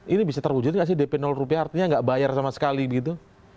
ini bisa terwujud nggak sih dp rupiah artinya nggak bayar sama sekali begitu